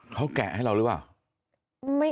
เขาแกะให้เราหรือเปล่า